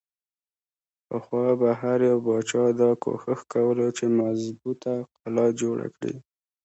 پخوا به هر يو باچا دا کوښښ کولو چې مضبوطه قلا جوړه کړي۔